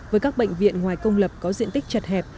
với các bệnh viện ngoài công lập có diện tích chật hẹp